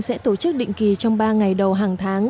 sẽ tổ chức định kỳ trong ba ngày đầu hàng tháng